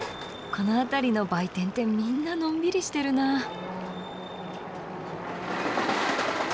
この辺りの売店ってみんなのんびりしてるなぁ。